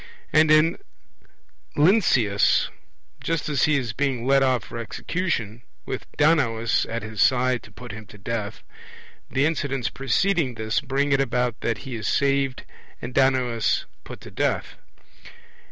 And in Lynceus: just as he is being led off for execution, with Danaus at his side to put him to death, the incidents preceding this bring it about that he is saved and Danaus put to death.